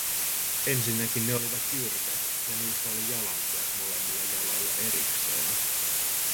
Ensinnäkin ne olivat jyrkät ja niissä oli jalansijat molemmille jaloille erikseen.